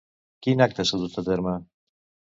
Quin acte s'ha dut a terme?